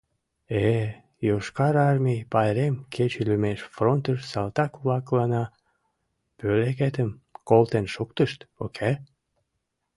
— Э-э, Йошкар Армий пайрем кече лӱмеш фронтыш салтак-влакланна пӧлекетым колтен шуктышт, уке?